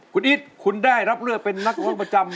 คุณอิทธิ์คุณได้รับเรือเป็นนักวงประจำ